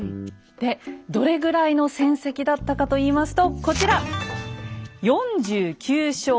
でどれぐらいの戦績だったかといいますとこちら。